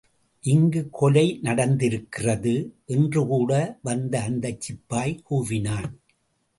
இங்கு கொலை நடந்திருக்கிறது! என்று கூட வந்த அந்தச் சிப்பாய் கூவினான்.